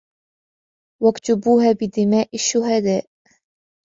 و اكتبوها بدماء الشهدا